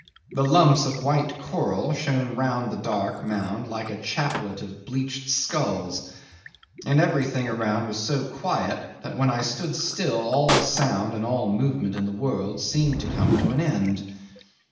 The lumps of white coral shone round the dark mound like a chaplet of bleached skulls, and everything around was so quiet that when I stood still all sound and all movement in the world seemed to come to an end.